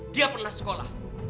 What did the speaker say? dia pernah sekolah